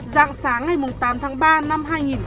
giạng sáng ngày tám tháng ba năm hai nghìn hai mươi ba